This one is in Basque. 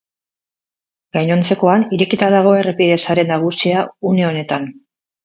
Gainontzekoan, irekita dago errepide sare nagusia une honetan.